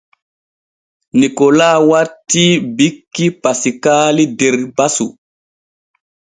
Nikola wattii bikki Pasiikaali der basu.